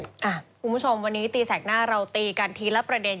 คุณผู้ชมวันนี้ตีแสกหน้าเราตีกันทีละประเด็น